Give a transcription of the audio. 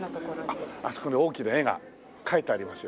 あっあそこに大きな絵が描いてありますよ。